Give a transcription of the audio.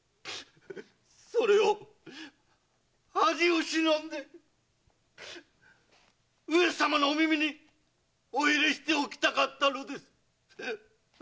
〔それを恥を忍んで上様のお耳にお入れしておきたかったのです！〕